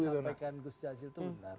ini disampaikan gus jasil itu benar